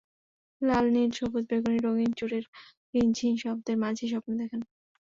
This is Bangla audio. লাল, নীল, সবুজ, বেগুনি রঙিন চুড়ির রিনিঝিনি শব্দের মাঝেই স্বপ্ন দেখেন।